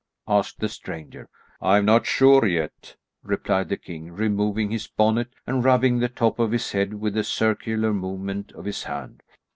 asked the stranger. "I'm not just sure yet," replied the king, removing his bonnet and rubbing the top of his head with a circular movement of his hand.